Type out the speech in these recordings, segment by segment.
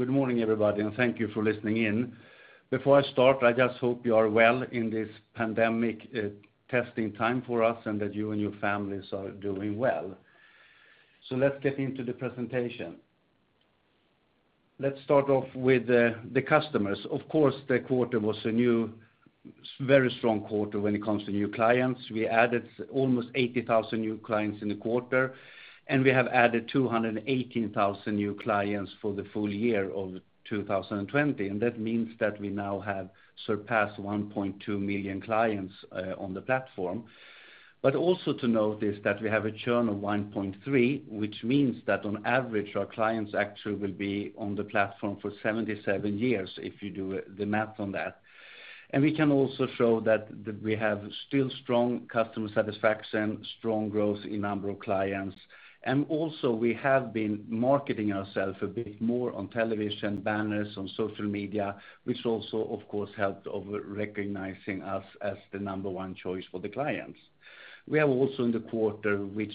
Good morning, everybody, and thank you for listening in. Before I start, I just hope you are well in this pandemic testing time for us, and that you and your families are doing well. Let's get into the presentation. Let's start off with the customers. Of course, the quarter was a very strong quarter when it comes to new clients. We added almost 80,000 new clients in the quarter, and we have added 218,000 new clients for the full year of 2020, and that means that we now have surpassed 1.2 million clients on the platform. Also to note is that we have a churn of 1.3, which means that on average, our clients actually will be on the platform for 77 years if you do the math on that. We can also show that we have still strong customer satisfaction, strong growth in number of clients, also we have been marketing ourselves a bit more on television, banners, on social media, which also, of course, helped over recognizing us as the number one choice for the clients. We are also in the quarter, which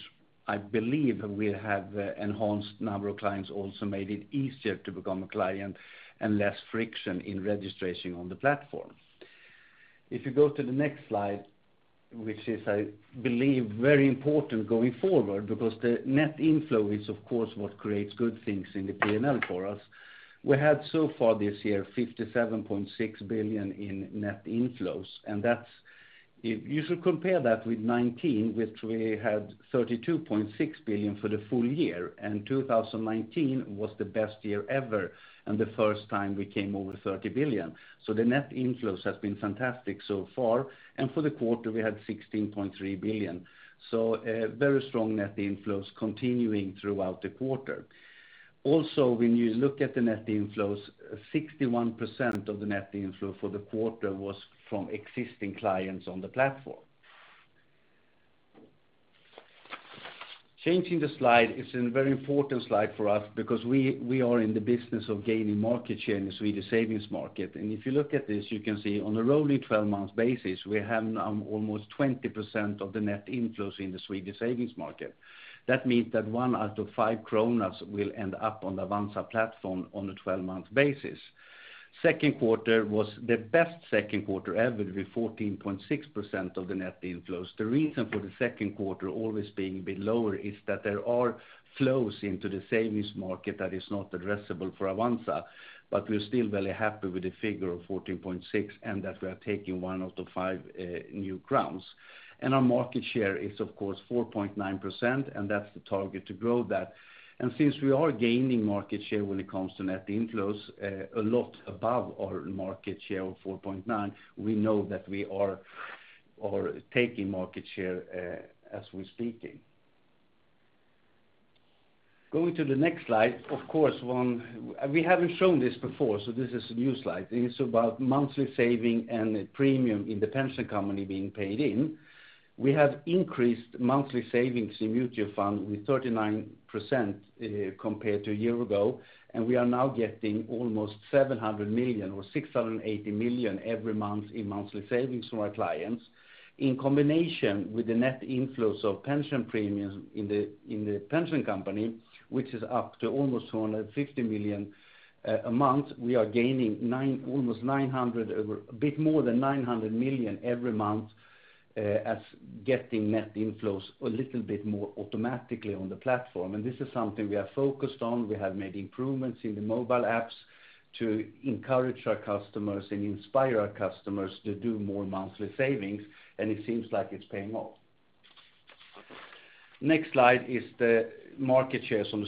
I believe we have enhanced number of clients, also made it easier to become a client and less friction in registration on the platform. If you go to the next slide, which is, I believe, very important going forward because the net inflow is, of course, what creates good things in the P&L for us. We had so far this year 57.6 billion in net inflows. You should compare that with 2019, which we had 32.6 billion for the full year. 2019 was the best year ever and the first time we came over 30 billion. The net inflows has been fantastic so far. For the quarter, we had 16.3 billion. Very strong net inflows continuing throughout the quarter. Also, when you look at the net inflows, 61% of the net inflow for the quarter was from existing clients on the platform. Changing the slide, it's a very important slide for us because we are in the business of gaining market share in the Swedish savings market. If you look at this, you can see on a rolling 12 months basis, we have now almost 20% of the net inflows in the Swedish savings market. That means that one out of five kronor will end up on the Avanza platform on a 12-month basis. Q2 was the best Q2 ever with 14.6% of the net inflows. The reason for the Q2 always being a bit lower is that there are flows into the savings market that is not addressable for Avanza, But we're still very happy with the figure of 14.6 and that we are taking one out of five new kronor. Our market share is, of course, 4.9%, and that's the target to grow that. Since we are gaining market share when it comes to net inflows, a lot above our market share of 4.9, we know that we are taking market share as we're speaking. Going to the next slide, we haven't shown this before, so this is a new slide. It's about monthly saving and premium in the pension company being paid in. We have increased monthly savings in mutual fund with 39% compared to a year ago. We are now getting almost 700 million or 680 million every month in monthly savings from our clients. In combination with the net inflows of pension premiums in the pension company, Which is up to almost 250 million a month, we are gaining a bit more than 900 million every month as getting net inflows a little bit more automatically on the platform. This is something we are focused on. We have made improvements in the mobile apps to encourage our customers and inspire our customers to do more monthly savings. It seems like it's paying off. Next slide is the market shares on the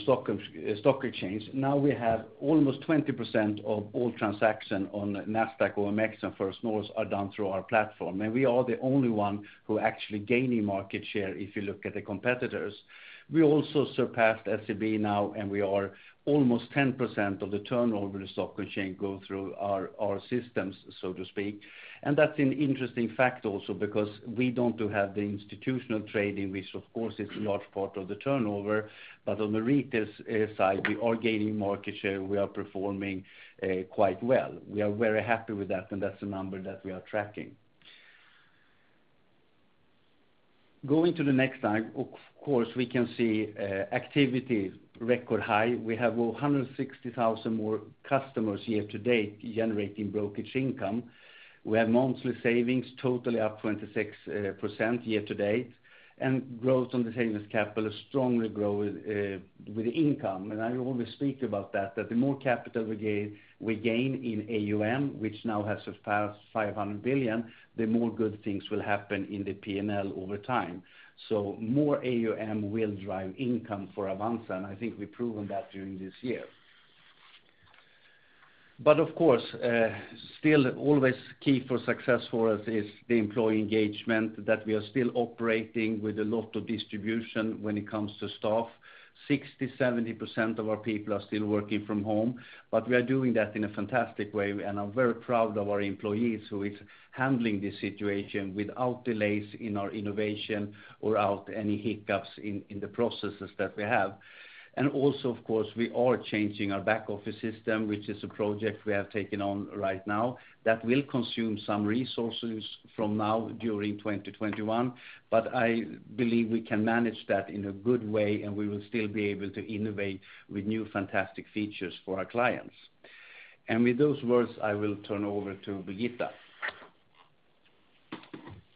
stock exchange. We have almost 20% of all transactions on Nasdaq, OMX and First North are done through our platform. We are the only one who actually gaining market share if you look at the competitors. We also surpassed SEB now, we are almost 10% of the turnover in the stock exchange go through our systems, so to speak. That's an interesting fact also because we don't have the institutional trading, which of course is a large part of the turnover. On the retail side, we are gaining market share. We are performing quite well. We are very happy with that, and that's a number that we are tracking. Going to the next slide, of course, we can see activity record high. We have 160,000 more customers year to date generating brokerage income. We have monthly savings totally up 26% year-to-date. Growth on the savings capital is strongly growing with income. I always speak about that the more capital we gain in AUM, which now has surpassed 500 billion, the more good things will happen in the P&L over time. More AUM will drive income for Avanza, and I think we've proven that during this year. Of course, still always key for success for us is the employee engagement, that we are still operating with a lot of distribution when it comes to staff. 60%-70% of our people are still working from home, but we are doing that in a fantastic way, and I'm very proud of our employees who is handling this situation without delays in our innovation or without any hiccups in the processes that we have. Also, of course, we are changing our back office system, which is a project we have taken on right now that will consume some resources from now during 2021. I believe we can manage that in a good way and we will still be able to innovate with new fantastic features for our clients. With those words, I will turn over to Birgitta.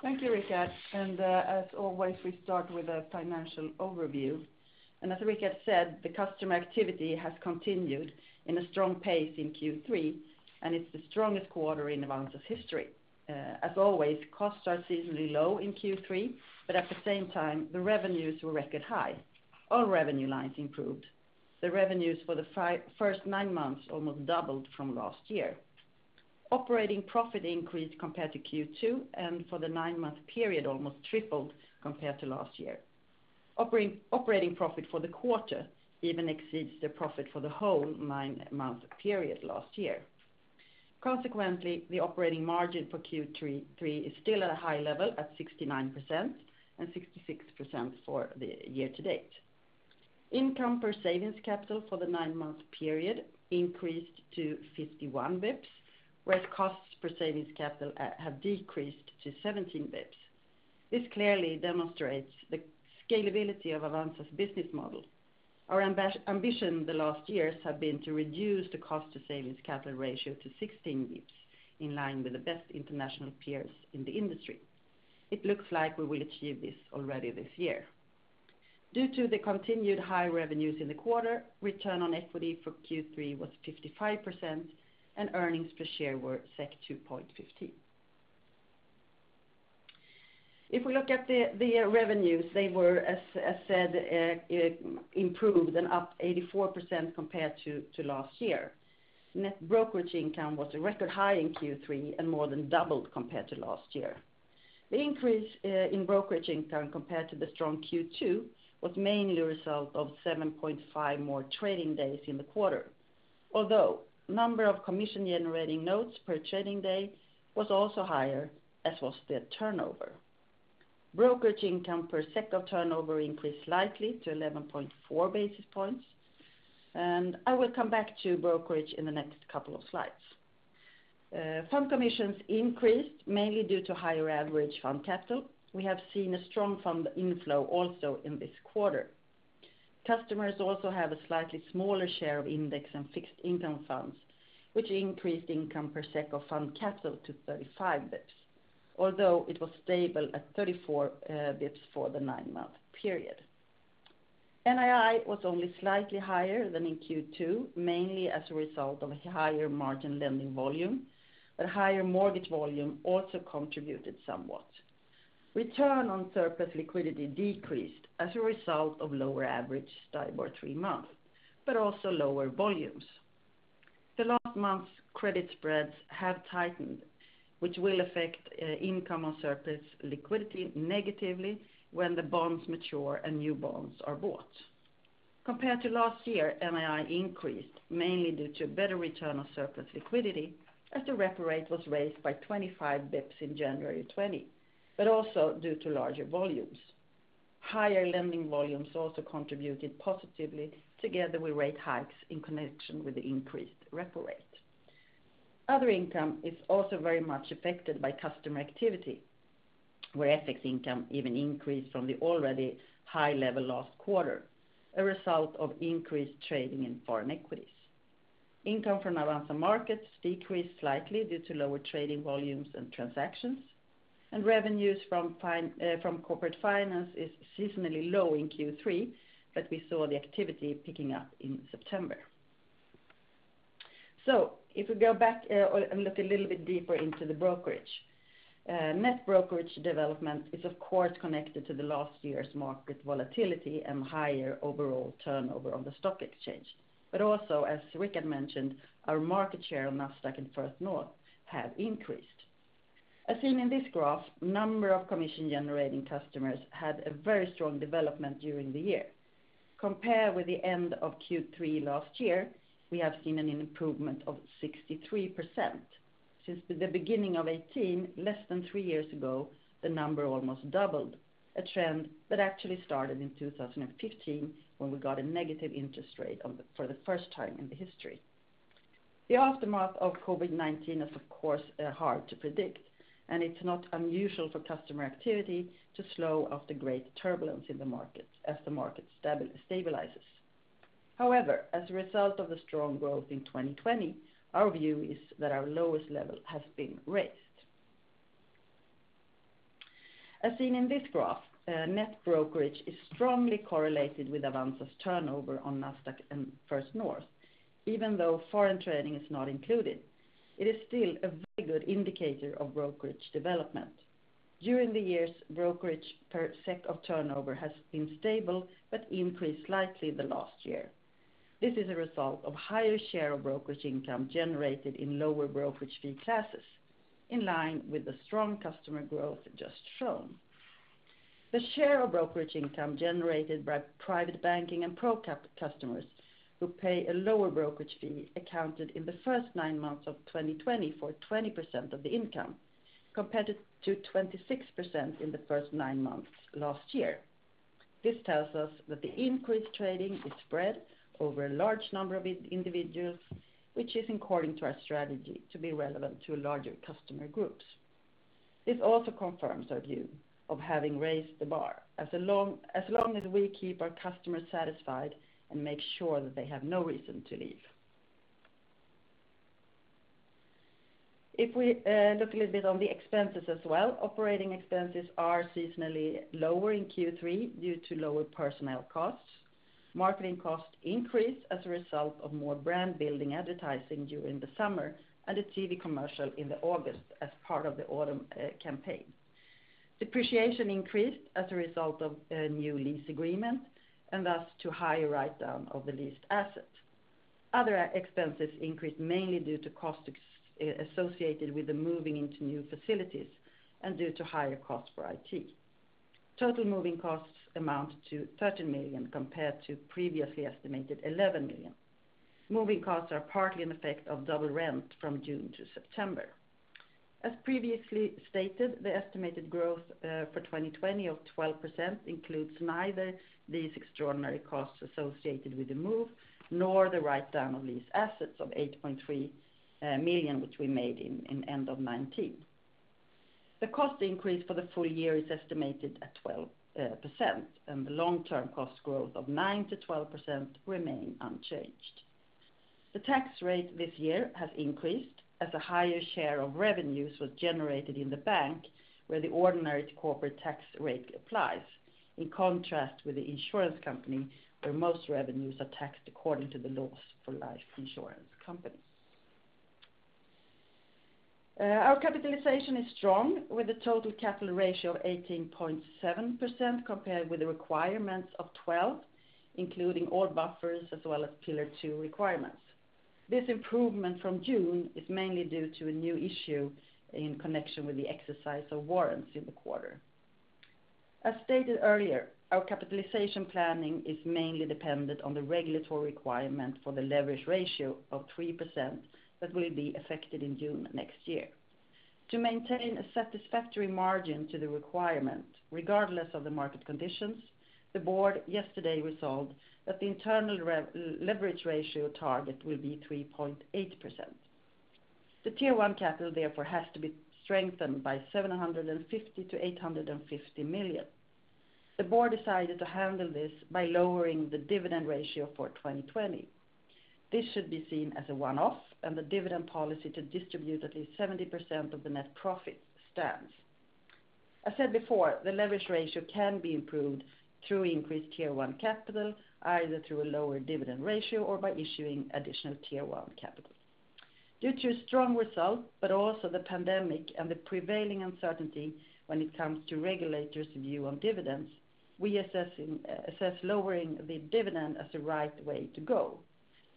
Thank you, Rikard. As always, we start with a financial overview. As Rikard said, the customer activity has continued in a strong pace in Q3, and it's the strongest quarter in Avanza's history. As always, costs are seasonally low in Q3, but at the same time, the revenues were record high. All revenue lines improved. The revenues for the first nine months almost doubled from last year. Operating profit increased compared to Q2, and for the nine-month period, almost tripled compared to last year. Operating profit for the quarter even exceeds the profit for the whole nine-month period last year. Consequently, the operating margin for Q3 is still at a high level at 69%, and 66% for the year to date. Income per savings capital for the nine-month period increased to 51 basis points, whereas costs per savings capital have decreased to 17 basis points. This clearly demonstrates the scalability of Avanza's business model. Our ambition the last years have been to reduce the cost to savings capital ratio to 16 basis points, in line with the best international peers in the industry. It looks like we will achieve this already this year. Due to the continued high revenues in the quarter, return on equity for Q3 was 55%, and earnings per share were 2.15. If we look at the revenues, they were, as said, improved and up 84% compared to last year. Net brokerage income was a record high in Q3 and more than doubled compared to last year. The increase in brokerage income compared to the strong Q2 was mainly a result of 7.5 more trading days in the quarter. Number of commission-generating notes per trading day was also higher, as was the turnover. Brokerage income per SEK of turnover increased slightly to 11.4 basis points. I will come back to brokerage in the next couple of slides. Fund commissions increased mainly due to higher average fund capital. We have seen a strong fund inflow also in this quarter. Customers also have a slightly smaller share of index and fixed income funds, which increased income per SEK of fund capital to 35 basis points, Although it was stable at 34 basis points for the nine-month period. NII was only slightly higher than in Q2, mainly as a result of a higher margin lending volume, but higher mortgage volume also contributed somewhat. Return on surplus liquidity decreased as a result of lower average STIBOR three month, but also lower volumes. The last month's credit spreads have tightened, which will affect income on surplus liquidity negatively when the bonds mature and new bonds are bought. Compared to last year, NII increased mainly due to better return on surplus liquidity as the repo rate was raised by 25 basis points in January 2020, but also due to larger volumes. Higher lending volumes also contributed positively together with rate hikes in connection with the increased repo rate. Other income is also very much effective by customer activity, where FX income even increased from the already high level last quarter, A result of increased trading in foreign equities. Income from Avanza Markets decreased slightly due to lower trading volumes and transactions, and revenues from corporate finance is seasonally low in Q3, but we saw the activity picking up in September. If we go back and look a little bit deeper into the brokerage. Net brokerage development is of course connected to the last year's market volatility and higher overall turnover on the stock exchange. Also, as Rikard mentioned, our market share on Nasdaq and First North have increased. As seen in this graph, number of commission-generating customers had a very strong development during the year. Compare with the end of Q3 last year, we have seen an improvement of 63%. Since the beginning of 2018, less than three years ago, the number almost doubled, a trend that actually started in 2015 when we got a negative interest rate for the first time in the history. The aftermath of COVID-19 is, of course, hard to predict, and it's not unusual for customer activity to slow after great turbulence in the market as the market stabilizes. However, as a result of the strong growth in 2020, our view is that our lowest level has been raised. As seen in this graph, net brokerage is strongly correlated with Avanza's turnover on Nasdaq and First North, even though foreign trading is not included. It is still a very good indicator of brokerage development. During the years, brokerage per SEK of turnover has been stable but increased slightly the last year. This is a result of higher share of brokerage income generated in lower brokerage fee classes, in line with the strong customer growth just shown. The share of brokerage income generated by private banking and pro customers who pay a lower brokerage fee accounted in the first nine months of 2020 for 20% of the income, compared to 26% in the first nine months last year. This tells us that the increased trading is spread over a large number of individuals, which is according to our strategy to be relevant to larger customer groups. This also confirms our view of having raised the bar, as long as we keep our customers satisfied and make sure that they have no reason to leave. We look a little bit on the expenses as well, operating expenses are seasonally lower in Q3 due to lower personnel costs. Marketing costs increased as a result of more brand-building advertising during the summer, and a TV commercial in August as part of the autumn campaign. Depreciation increased as a result of a new lease agreement, and thus to higher write-down of the leased assets. Other expenses increased mainly due to costs associated with the moving into new facilities, and due to higher costs for IT. Total moving costs amount to 13 million compared to previously estimated 11 million. Moving costs are partly an effect of double rent from June to September. As previously stated, the estimated growth for 2020 of 12% includes neither these extraordinary costs associated with the move, nor the write-down on these assets of 8.3 million, which we made in end of 2019. The cost increase for the full year is estimated at 12%, and the long-term cost growth of 9%-12% remain unchanged. The tax rate this year has increased as a higher share of revenues was generated in the bank where the ordinary corporate tax rate applies, in contrast with the insurance company where most revenues are taxed according to the laws for life insurance companies. Our capitalization is strong with a total capital ratio of 18.7% compared with the requirements of 12, including all buffers as well as Pillar 2 requirements. This improvement from June is mainly due to a new issue in connection with the exercise of warrants in the quarter. As stated earlier, our capitalization planning is mainly dependent on the regulatory requirement for the leverage ratio of 3% that will be affected in June next year. To maintain a satisfactory margin to the requirement, regardless of the market conditions, the board yesterday resolved that the internal leverage ratio target will be 3.8%. The Tier 1 capital therefore has to be strengthened by 750 million-850 million. The board decided to handle this by lowering the dividend ratio for 2020. This should be seen as a one-off and the dividend policy to distribute at least 70% of the net profit stands. I said before, the leverage ratio can be improved through increased Tier 1 capital, either through a lower dividend ratio or by issuing additional Tier 1 capital. Due to strong results, but also the pandemic and the prevailing uncertainty when it comes to regulators' view on dividends, we assess lowering the dividend as the right way to go.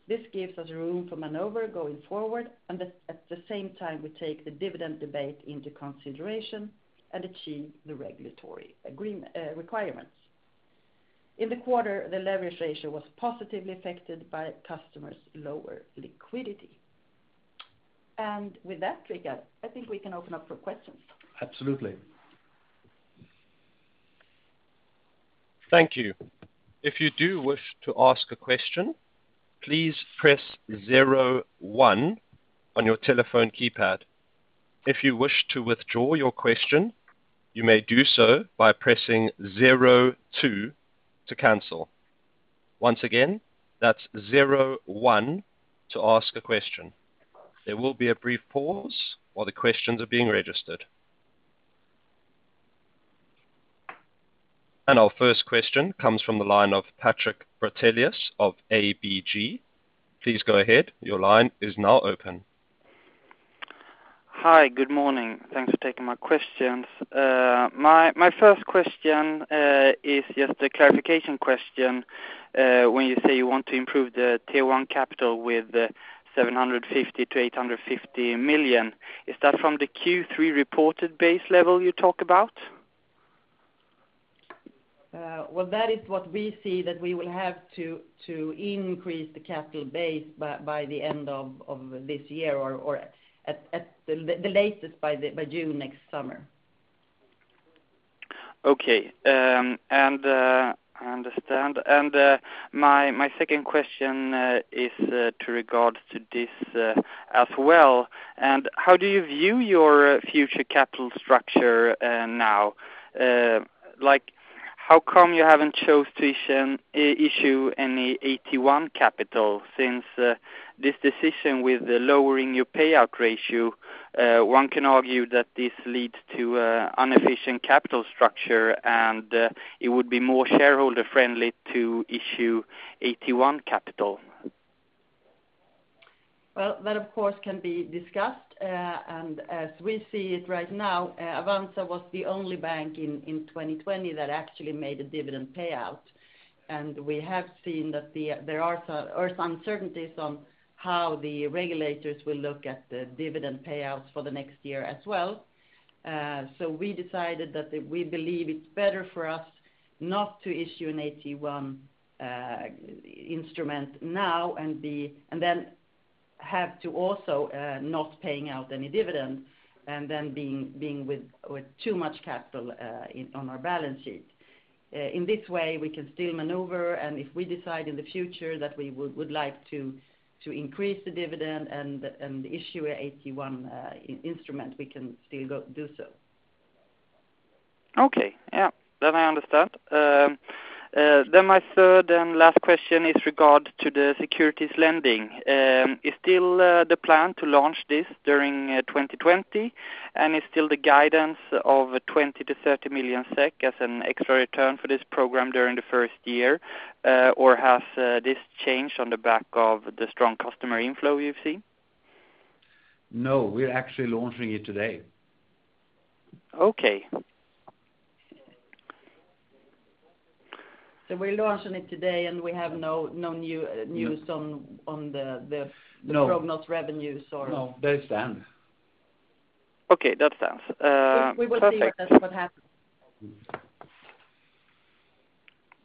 This gives us room for maneuver going forward, and at the same time, we take the dividend debate into consideration and achieve the regulatory requirements. In the quarter, the leverage ratio was positively affected by customers' lower liquidity. With that, Rikard, I think we can open up for questions. Absolutely. Thank you. If you do wish to ask a question, please press zero one on your telephone keypad. If you wish to withdraw your question, you may do so by pressing zero two to cancel. Once again, that's zero one to ask a question. There will be a brief pause while the questions are being registered. Our first question comes from the line of Patrik Bratellius of ABG Sundal Collier. Please go ahead. Your line is now open. Hi. Good morning. Thanks for taking my questions. My first question is just a clarification question. When you say you want to improve the Tier 1 capital with 750 million-850 million, is that from the Q3 reported base level you talk about? Well, that is what we see that we will have to increase the capital base by the end of this year or at the latest by June next summer. Okay. I understand. My second question is with regard to this as well. How do you view your future capital structure now? How come you haven't chose to issue any AT1 capital since this decision with lowering your payout ratio, one can argue that this leads to inefficient capital structure and it would be more shareholder-friendly to issue AT1 capital. Well, that, of course, can be discussed. As we see it right now, Avanza was the only bank in 2020 that actually made a dividend payout. We have seen that there are some uncertainties on how the regulators will look at the dividend payouts for the next year as well. We decided that we believe it's better for us not to issue an AT1 instrument now and then have to also not paying out any dividends and then being with too much capital on our balance sheet. In this way, we can still maneuver, and if we decide in the future that we would like to increase the dividend and issue an AT1 instrument, we can still do so. Okay. That I understand. My third and last question is regard to the securities lending. Is it still the plan to launch this during 2020? Is still the guidance of 20 million-30 million SEK as an extra return for this program during the first year, or has this changed on the back of the strong customer inflow you've seen? No, we're actually launching it today. Okay. We're launching it today, and we have no new news on the. No. Prognose revenues or? No, they stand. Okay. That stands. Perfect. We will see what happens. Thank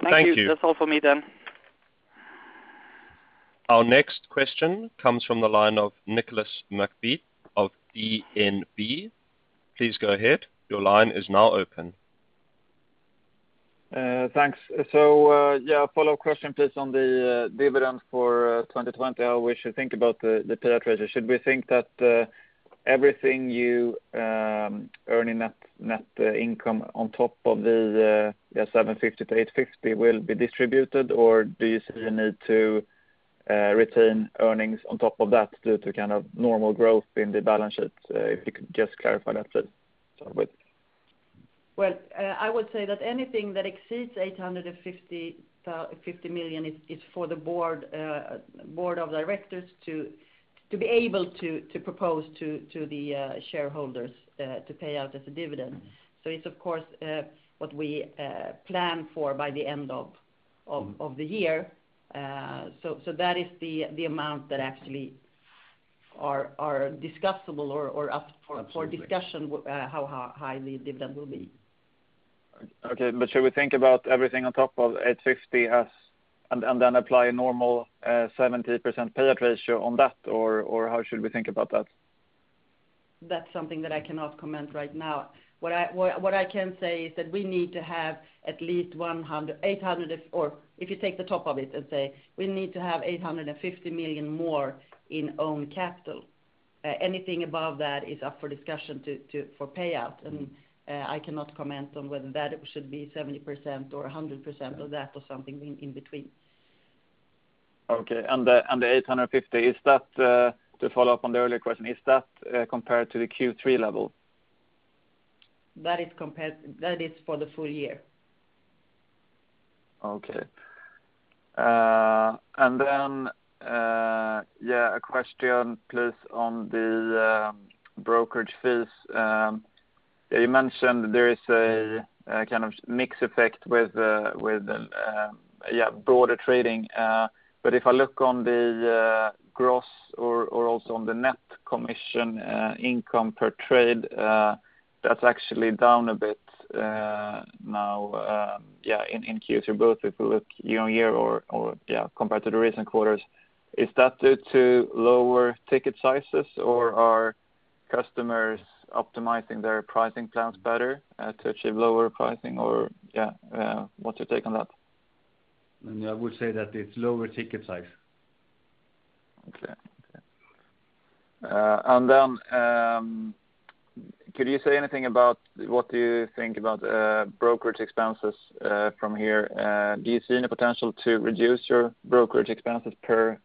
you. Thank you. That's all for me then. Our next question comes from the line of Nicolas McBeath of DNB. Please go ahead. Thanks. A follow-up question, please, on the dividends for 2020. How we should think about the payout ratio? Should we think that everything you earn in net income on top of the 750-850 will be distributed? Or do you still need to retain earnings on top of that due to normal growth in the balance sheet? If you could just clarify that, please, to start with. Well, I would say that anything that exceeds 850 million is for the board of directors to be able to propose to the shareholders to pay out as a dividend. It's of course what we plan for by the end of the year. That is the amount that actually are discussable or up for discussion how high the dividend will be. Okay. Should we think about everything on top of 850 and then apply a normal 70% payout ratio on that, or how should we think about that? That's something that I cannot comment right now. What I can say is that we need to have at least if you take the top of it and say we need to have 850 million more in own capital. Anything above that is up for discussion for payout, and I cannot comment on whether that should be 70% or 100% of that or something in between. Okay. The 850, to follow up on the earlier question, is that compared to the Q3 level? That is for the full year. Okay. A question, please, on the brokerage fees. You mentioned there is a kind of mix effect with broader trading. If I look on the gross or also on the net commission income per trade, that's actually down a bit now in Q3, both if you look year on year or compared to the recent quarters. Is that due to lower ticket sizes, or are customers optimizing their pricing plans better to achieve lower pricing? What's your take on that? I would say that it's lower ticket size. Okay. Could you say anything about what you think about brokerage expenses from here? Do you see any potential to reduce your brokerage expenses per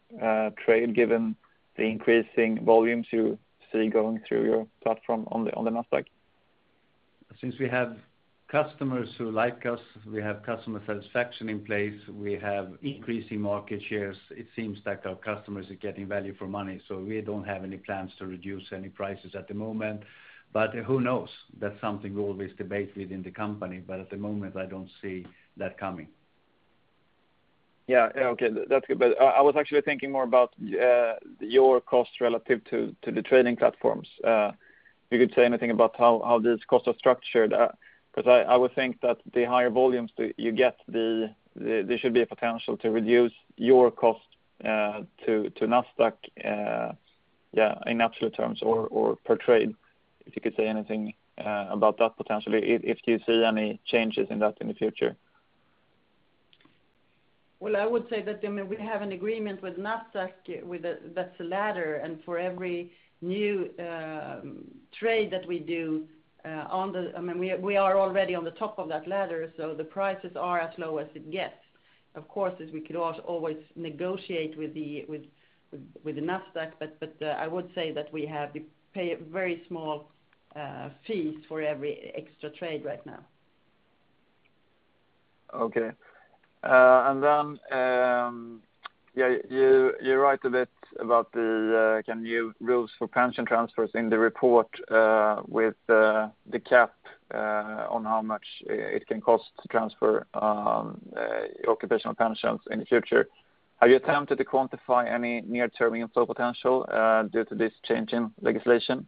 trade given the increasing volumes you see going through your platform on the Nasdaq? Since we have customers who like us, we have customer satisfaction in place, we have increasing market shares, it seems that our customers are getting value for money. We don't have any plans to reduce any prices at the moment, but who knows? That's something we always debate within the company, but at the moment, I don't see that coming. Okay. That's good. I was actually thinking more about your cost relative to the trading platforms. If you could say anything about how these costs are structured, because I would think that the higher volumes you get, there should be a potential to reduce your cost to Nasdaq in absolute terms or per trade. If you could say anything about that potentially, if you see any changes in that in the future. Well, I would say that we have an agreement with Nasdaq that's a ladder, and for every new trade that we do, we are already on the top of that ladder, so the prices are as low as it gets. Of course, we could always negotiate with the Nasdaq, but I would say that we pay very small fees for every extra trade right now. Okay. Then you write a bit about the new rules for pension transfers in the report with the cap on how much it can cost to transfer occupational pensions in the future. Have you attempted to quantify any near-term inflow potential due to this change in legislation?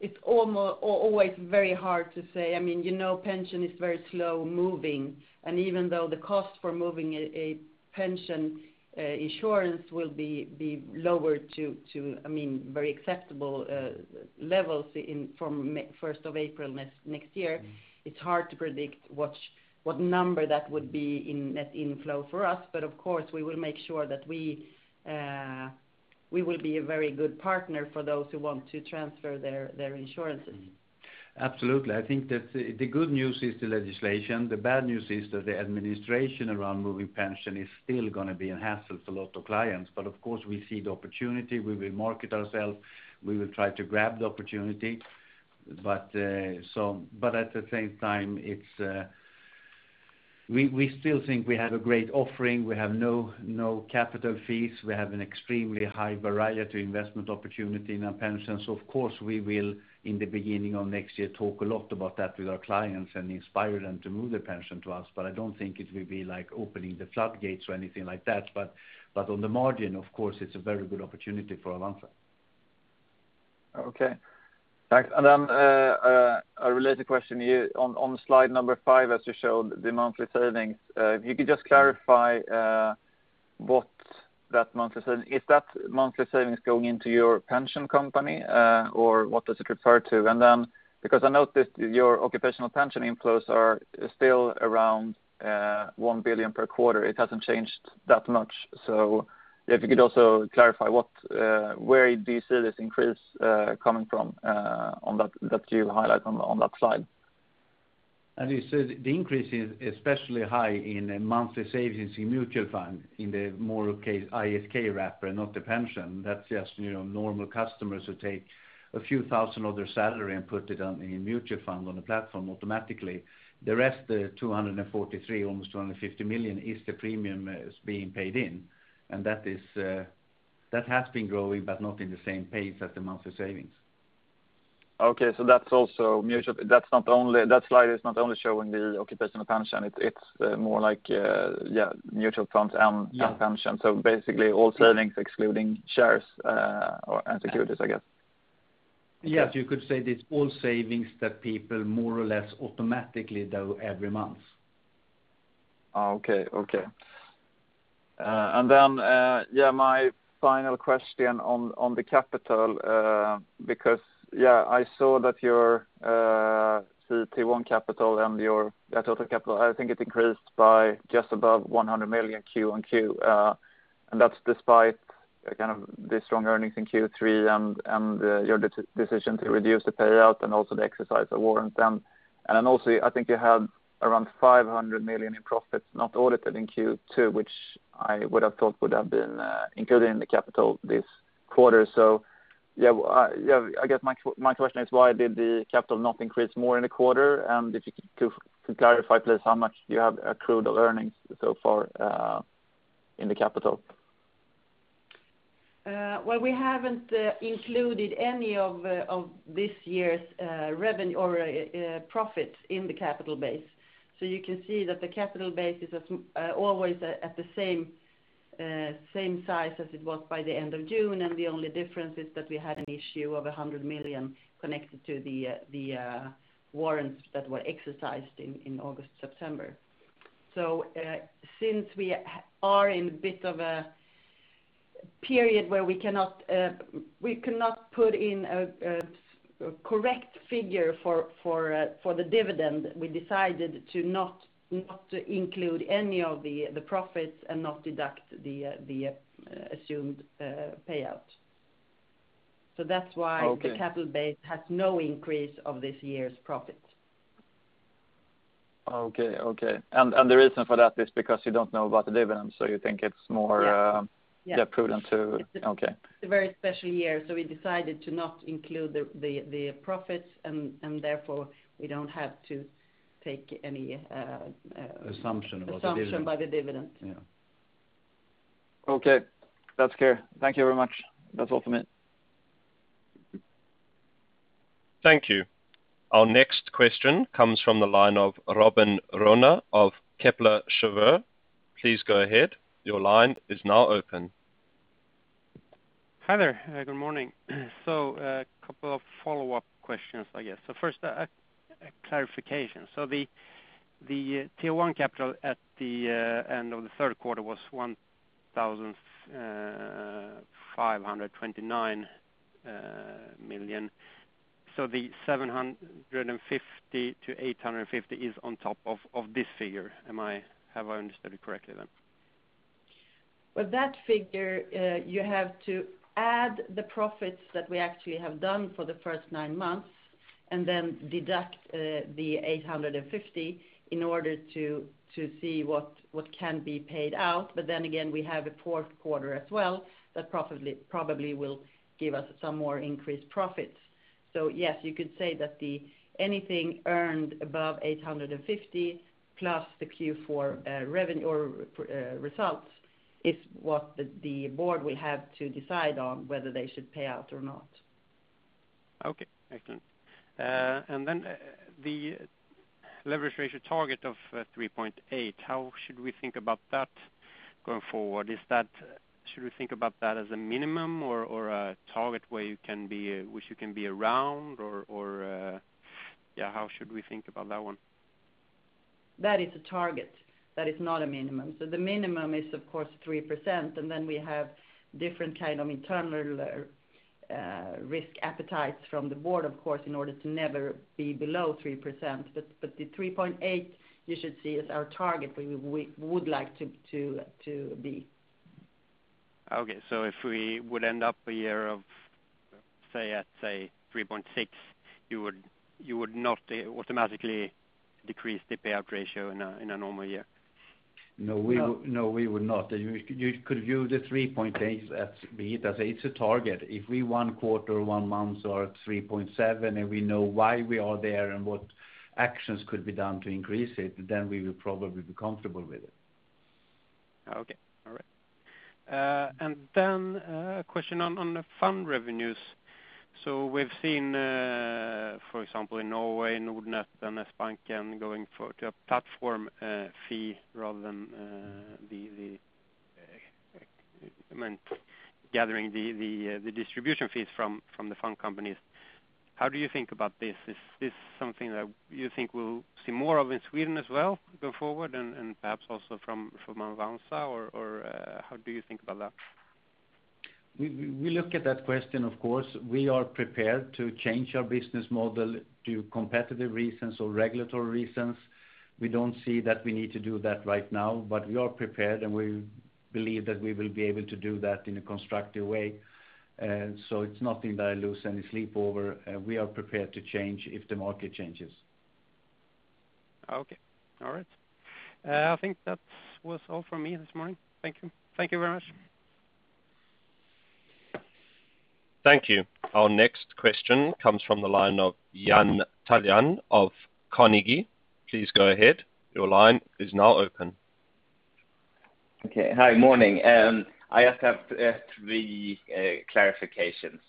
It's always very hard to say. Even though the cost for moving a pension insurance will be lowered to very acceptable levels from 1st of April next year, it's hard to predict what number that would be in net inflow for us. Of course, we will make sure that we will be a very good partner for those who want to transfer their insurances. Absolutely. I think that the good news is the legislation. The bad news is that the administration around moving pension is still going to be a hassle for a lot of clients. Of course, we see the opportunity. We will market ourselves. We will try to grab the opportunity. At the same time, we still think we have a great offering. We have no capital fees. We have an extremely high variety investment opportunity in our pensions. Of course, we will, in the beginning of next year, talk a lot about that with our clients and inspire them to move their pension to us. I don't think it will be like opening the floodgates or anything like that. On the margin, of course, it's a very good opportunity for Avanza. Okay, thanks. A related question. On slide number five, as you showed the monthly savings, if you could just clarify what that monthly saving, is that monthly savings going into your pension company, or what does it refer to? Because I noticed your occupational pension inflows are still around 1 billion per quarter, it hasn't changed that much. If you could also clarify where do you see this increase coming from on that view highlight on that slide. As you said, the increase is especially high in monthly savings in mutual fund in the more ISK wrapper, not the pension. That's just normal customers who take a few thousand of their salary and put it on a mutual fund on the platform automatically. The rest, the 243, almost 250 million is the premium is being paid in. That has been growing, but not in the same pace as the monthly savings. Okay, that slide is not only showing the occupational pension, it's more like mutual funds and pension. Basically all savings excluding shares or securities, I guess. You could say it's all savings that people more or less automatically do every month. Okay. Then my final question on the capital because I saw that your Tier 1 capital and your total capital, I think it increased by just above 100 million quarter-over-quarter. That is despite the strong earnings in Q3 and your decision to reduce the payout and also the exercise of warrants then. Also, I think you had around 500 million in profits, not audited in Q2, which I would have thought would have been included in the capital this quarter. I guess my question is, why did the capital not increase more in a quarter? If you could clarify please how much you have accrued of earnings so far in the capital. Well, we haven't included any of this year's revenue or profits in the capital base. You can see that the capital base is always at the same size as it was by the end of June. The only difference is that we had an issue of 100 million connected to the warrants that were exercised in August, September. Since we are in a bit of a period where we cannot put in a correct figure for the dividend, we decided to not include any of the profits and not deduct the assumed payout. That's why the capital base has no increase of this year's profits. Okay. The reason for that is because you don't know about the dividend, so you think it's more prudent to. It's a very special year, so we decided to not include the profits, and therefore we don't have to take any. Assumption about the dividend. Assumption by the dividend. Yeah. Okay, that's clear. Thank you very much. That's all for me. Thank you. Our next question comes from the line of Robin Rane of Kepler Cheuvreux. Please go ahead. Hi there. Good morning. A couple of follow-up questions, I guess. First, a clarification. The Tier 1 capital at the end of the Q3 was 1,529 million. The 750-850 is on top of this figure. Have I understood it correctly then? That figure you have to add the profits that we actually have done for the first nine months and then deduct the 850 in order to see what can be paid out. Then again, we have a Q4 as well that probably will give us some more increased profits. Yes, you could say that anything earned above 850+ the Q4 revenue or results is what the board will have to decide on whether they should pay out or not. Okay, excellent. The leverage ratio target of 3.8, how should we think about that going forward? Should we think about that as a minimum or a target which you can be around, or how should we think about that one? That is a target. That is not a minimum. The minimum is of course 3%. Then we have different kind of internal risk appetite from the Board, of course, in order to never be below 3%. The 3.8, you should see as our target, where we would like to be. Okay. If we would end up a year of, say, 3.6, you would not automatically decrease the payout ratio in a normal year? No, we would not. You could view the 3.8 as a target. If we one quarter, one month are at 3.7, and we know why we are there and what actions could be done to increase it, then we will probably be comfortable with it. Okay. All right. A question on the fund revenues. We've seen, for example, in Norway, Nordnet and Sbanken going for a platform fee rather than gathering the distribution fees from the fund companies. How do you think about this? Is this something that you think we'll see more of in Sweden as well going forward and perhaps also from Avanza? How do you think about that? We look at that question, of course. We are prepared to change our business model due to competitive reasons or regulatory reasons. We don't see that we need to do that right now, but we are prepared, and we believe that we will be able to do that in a constructive way. It's nothing that I lose any sleep over. We are prepared to change if the market changes. Okay. All right. I think that was all from me this morning. Thank you. Thank you very much. Thank you. Our next question comes from the line of Ermin Kerić of Carnegie. Please go ahead. Your line is now open. Okay. Hi. Morning. I just have three clarifications.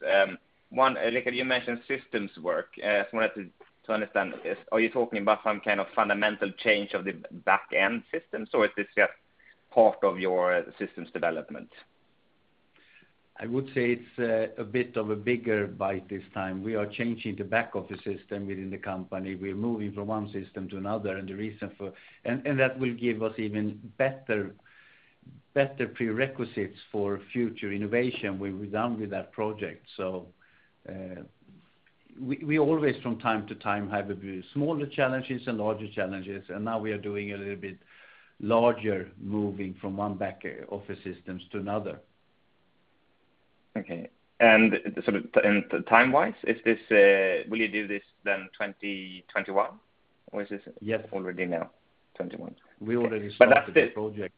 One, Rikard, you mentioned systems work. I just wanted to understand, are you talking about some kind of fundamental change of the back-end systems, or is this just part of your systems development? I would say it's a bit of a bigger bite this time. We are changing the back-office system within the company. We're moving from one system to another. That will give us even better prerequisites for future innovation when we're done with that project. We always from time to time have smaller challenges and larger challenges, and now we are doing a little bit larger, moving from one back-office system to another. Okay. Time-wise, will you do this then 2021? Yes. Already now, 2021? We already started. That's. The project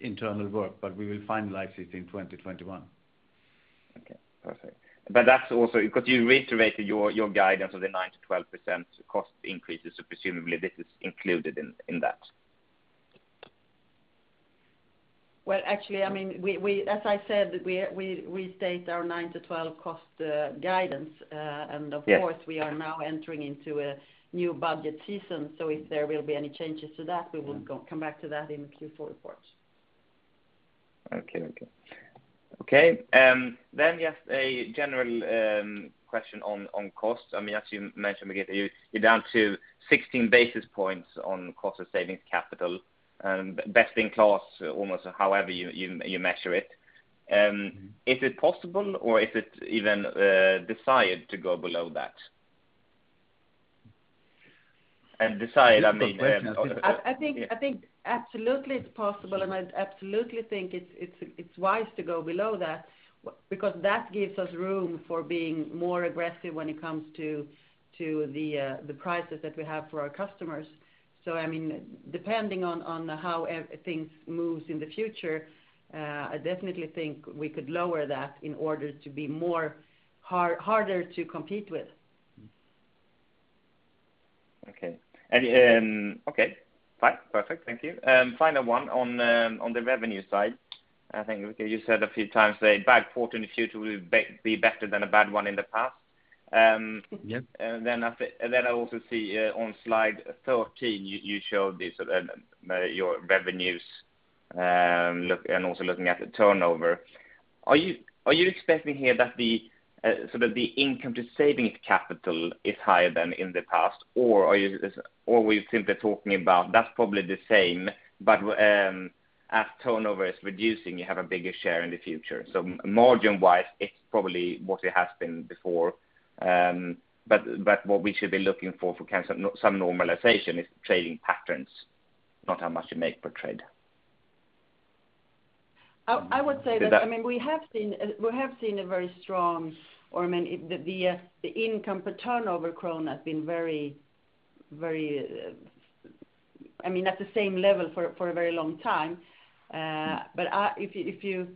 internal work, but we will finalize it in 2021. Okay, perfect. Because you reiterated your guidance of the 9%-12% cost increases, so presumably this is included in that. Well, actually, as I said, we restate our 9%-12% cost guidance. Yes. Of course we are now entering into a new budget season, so if there will be any changes to that, we will come back to that in the Q4 reports. Okay. Just a general question on costs. As you mentioned, Rikard, you're down to 16 basis points on cost of savings capital, best in class almost however you measure it. Is it possible, or is it even desired to go below that? I think absolutely it's possible, and I absolutely think it's wise to go below that, because that gives us room for being more aggressive when it comes to the prices that we have for our customers. Depending on how things move in the future, I definitely think we could lower that in order to be harder to compete with. Okay. Fine. Perfect. Thank you. Final one on the revenue side. I think, Rikard, you said a few times a bad quarter in the future will be better than a bad one in the past. Yes. I also see on slide 13, you showed your revenues and also looking at the turnover. Are you expecting here that the income to savings capital is higher than in the past? Are we simply talking about that's probably the same, but as turnover is reducing, you have a bigger share in the future? Margin-wise, it's probably what it has been before. What we should be looking for some normalization is trading patterns, not how much you make per trade. I would say that we have seen a very strong, or the income per turnover crown has been at the same level for a very long time. If you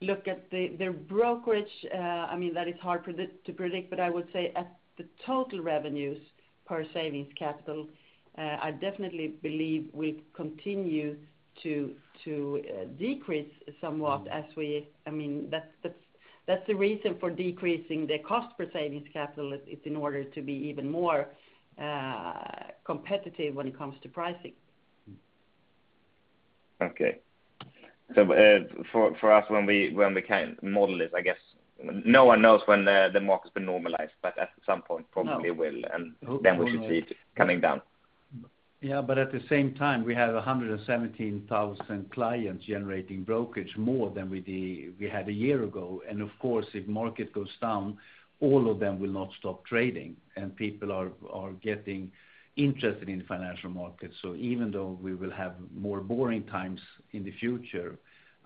look at the brokerage, that is hard to predict, but I would say at the total revenues per savings capital, I definitely believe we continue to decrease somewhat. That's the reason for decreasing the cost per savings capital is in order to be even more competitive when it comes to pricing. Okay. For us when we model this, I guess no one knows when the market's been normalized, but at some point probably it will, and then we should see it coming down. Yeah, at the same time, we have 117,000 clients generating brokerage, more than we had a year ago. Of course, if the market goes down, all of them will not stop trading. People are getting interested in financial markets. Even though we will have more boring times in the future,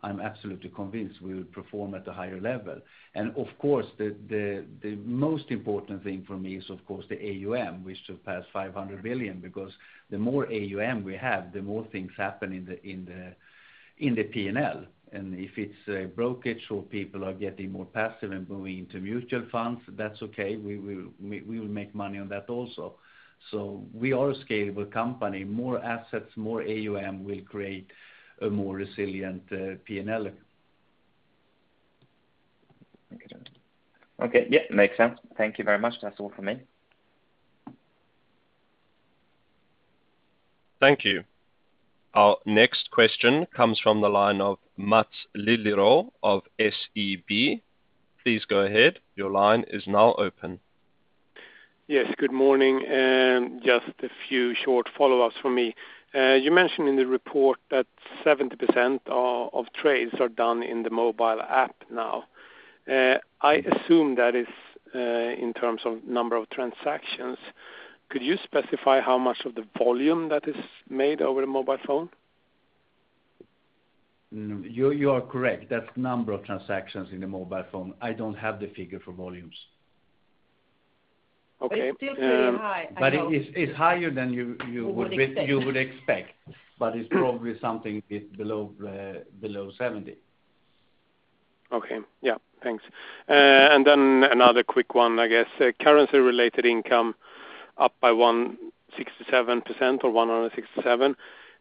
I'm absolutely convinced we will perform at a higher level. Of course, the most important thing for me is, of course, the AUM, which surpassed 500 billion. Because the more AUM we have, the more things happen in the P&L. If it's brokerage or people are getting more passive and moving into mutual funds, that's okay. We will make money on that also. We are a scalable company. More assets, more AUM will create a more resilient P&L. Okay. Yeah, makes sense. Thank you very much. That's all from me. Thank you. Our next question comes from the line of Maths Liljedahl of SEB. Please go ahead. Yes, good morning. Just a few short follow-ups from me. You mentioned in the report that 70% of trades are done in the mobile app now. I assume that is in terms of number of transactions. Could you specify how much of the volume that is made over a mobile phone? You are correct. That's number of transactions in the mobile phone. I don't have the figure for volumes. Okay. It's still pretty high, I know. It's higher than you would expect. It's probably something below 70. Okay. Yeah, thanks. Another quick one, I guess. Currency-related income up by 167% or 167.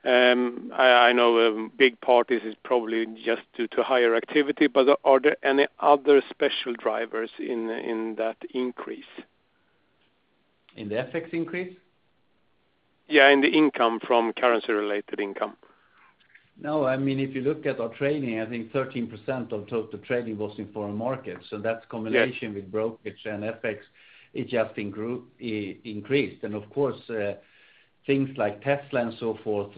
I know a big part is probably just due to higher activity, but are there any other special drivers in that increase? In the FX increase? Yeah, in the income from currency-related income. No, if you look at our trading, I think 13% of total trading was in foreign markets, so that's a combination with brokerage and FX. It just increased. Of course, things like Tesla and so forth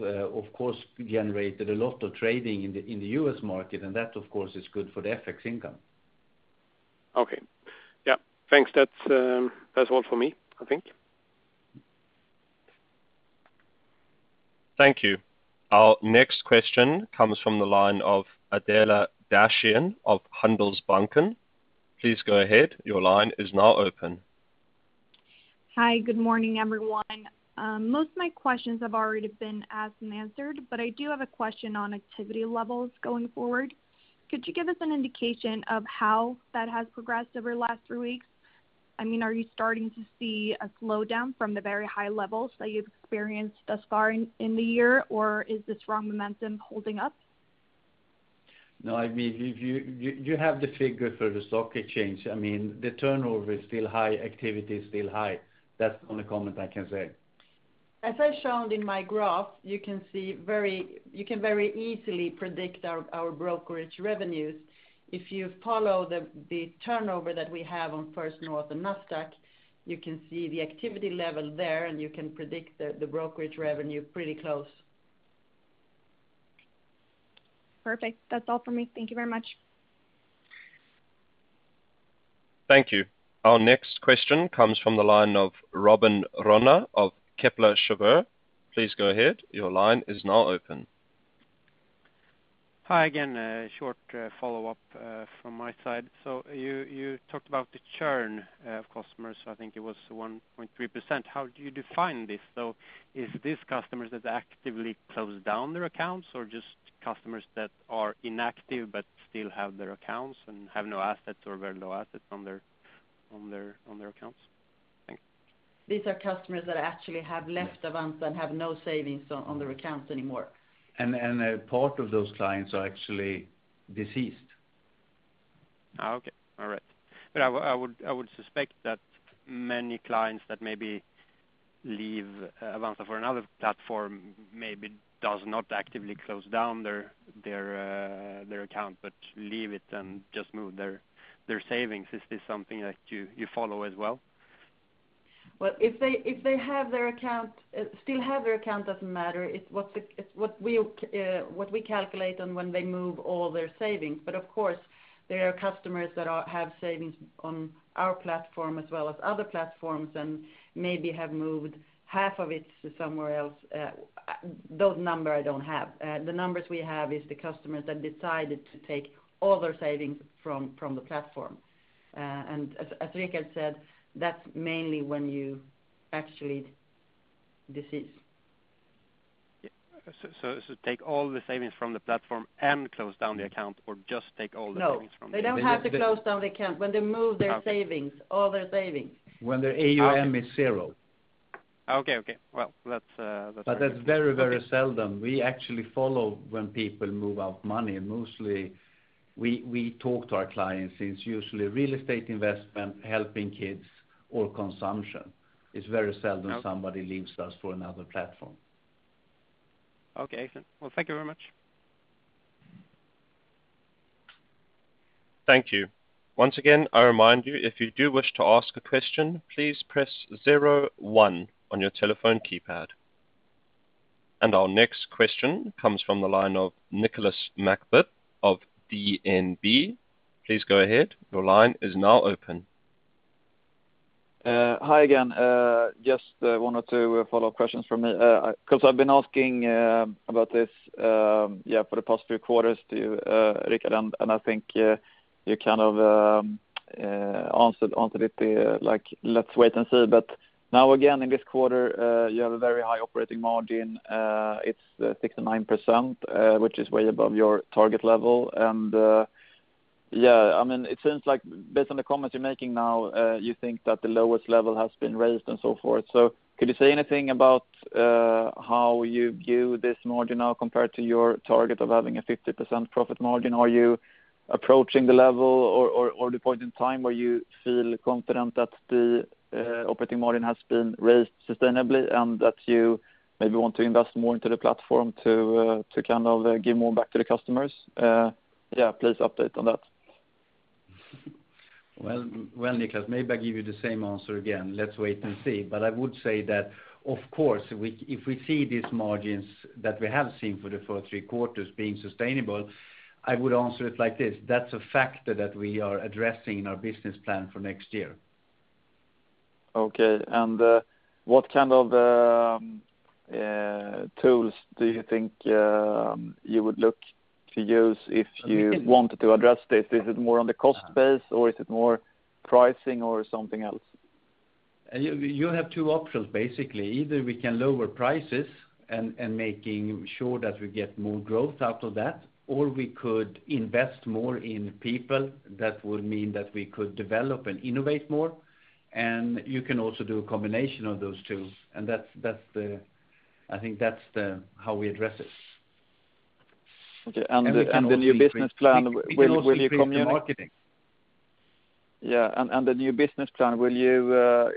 generated a lot of trading in the U.S. market, and that, of course, is good for the FX income. Okay. Yeah. Thanks. That's all from me, I think. Thank you. Our next question comes from the line of Adela Dashian of Handelsbanken. Please go ahead. Your line is now open. Hi, good morning, everyone. Most of my questions have already been asked and answered. I do have a question on activity levels going forward. Could you give us an indication of how that has progressed over the last three weeks? Are you starting to see a slowdown from the very high levels that you've experienced thus far in the year, or is the strong momentum holding up? No, you have the figure for the stock exchange. The turnover is still high, activity is still high. That's the only comment I can say. As I showed in my graph, you can very easily predict our brokerage revenues. If you follow the turnover that we have on First North and Nasdaq, you can see the activity level there, and you can predict the brokerage revenue pretty close. Perfect. That's all from me. Thank you very much. Thank you. Our next question comes from the line of Robin Rane of Kepler Cheuvreux. Please go ahead. Your line is now open. Hi again. A short follow-up from my side. You talked about the churn of customers. I think it was 1.3%. How do you define this, though? Is this customers that actively close down their accounts or just customers that are inactive but still have their accounts and have no assets or very low assets on their accounts? Thanks. These are customers that actually have left Avanza and have no savings on their accounts anymore. A part of those clients are actually deceased. Okay. All right. I would suspect that many clients that maybe leave Avanza for another platform maybe does not actively close down their account but leave it and just move their savings. Is this something that you follow as well? Well, if they still have their account, it doesn't matter. It's what we calculate on when they move all their savings. Of course, there are customers that have savings on our platform as well as other platforms and maybe have moved half of it to somewhere else. Those numbers I don't have. The numbers we have is the customers that decided to take all their savings from the platform. As Rikard said, that's mainly when you actually decease. Take all the savings from the platform and close down the account, or just take all the savings from the account? No. They don't have to close down the account. When they move their savings, all their savings. When their AUM is zero. Okay. Well. That's very seldom. We actually follow when people move out money, and mostly we talk to our clients. It's usually real estate investment, helping kids or consumption. It's very seldom somebody leaves us for another platform. Okay. Well, thank you very much. Thank you. Once again, I remind you if you do wish to ask a question, please press 01 on your telephone keypad. Our next question comes from the line of Nicolas McBeath of DNB. Please go ahead. Your line is now open. Hi again. Just one or two follow-up questions from me. I've been asking about this for the past few quarters to you, Rikard, and I think you kind of answered it, like let's wait and see. Now again, in this quarter, you have a very high operating margin. It's 69%, which is way above your target level. It seems like based on the comments you're making now, you think that the lowest level has been raised and so forth. Could you say anything about how you view this margin now compared to your target of having a 50% profit margin? Are you approaching the level or the point in time where you feel confident that the operating margin has been raised sustainably and that you maybe want to invest more into the platform to give more back to the customers? Please update on that. Well, Nicolas, maybe I give you the same answer again. Let's wait and see. I would say that, of course, if we see these margins that we have seen for the first three quarters being sustainable, I would answer it like this, that's a factor that we are addressing in our business plan for next year. Okay. What kind of tools do you think you would look to use if you wanted to address this? Is it more on the cost base, or is it more pricing, or something else? You have two options, basically. Either we can lower prices and making sure that we get more growth out of that, or we could invest more in people. That would mean that we could develop and innovate more. You can also do a combination of those two. I think that's how we address it. Okay. The new business plan, will you? We can also increase in marketing. Yeah. The new business plan, will you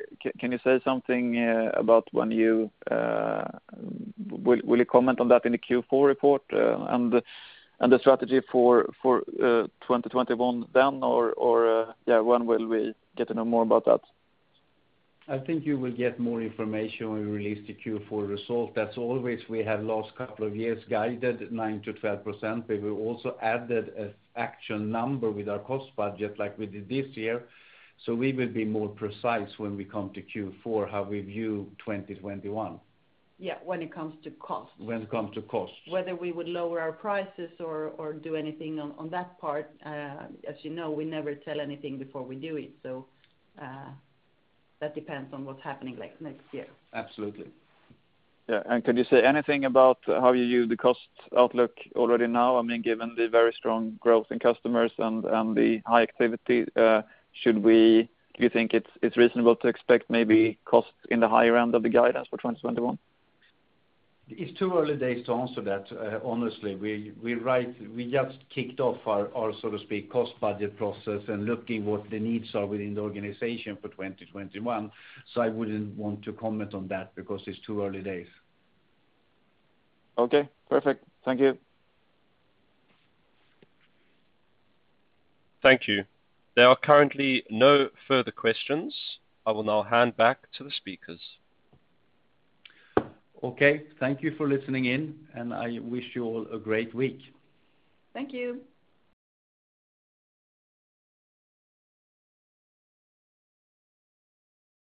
comment on that in the Q4 report and the strategy for 2021 then? When will we get to know more about that? I think you will get more information when we release the Q4 result. We have last couple of years guided 9%-12%, but we've also added an action number with our cost budget like we did this year. We will be more precise when we come to Q4, how we view 2021. Yeah. When it comes to cost. When it comes to cost. Whether we would lower our prices or do anything on that part, as you know, we never tell anything before we do it. That depends on what's happening next year. Absolutely. Yeah. Could you say anything about how you view the cost outlook already now? Given the very strong growth in customers and the high activity, do you think it's reasonable to expect maybe costs in the higher end of the guidance for 2021? It's too early days to answer that, honestly. We just kicked off our, so to speak, cost budget process and looking what the needs are within the organization for 2021. I wouldn't want to comment on that because it's too early days. Okay. Perfect. Thank you. Thank you. There are currently no further questions. I will now hand back to the speakers. Okay. Thank you for listening in. I wish you all a great week. Thank you.